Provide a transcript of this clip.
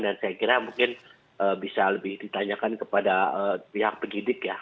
dan saya kira mungkin bisa lebih ditanyakan kepada pihak penyidik ya